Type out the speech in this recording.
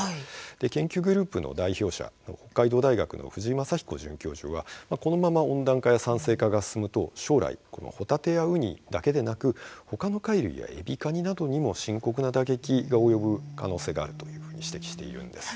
研究グループの代表者北海道大学の藤井賢彦准教授はこのまま温暖化や酸性化が進むと将来ホタテやウニだけではなくほかの貝類やエビ、カニなどにも深刻な打撃が及ぶ可能性があると指摘しているんです。